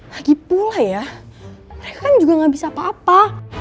lagi pula ya mereka kan juga gak bisa apa apa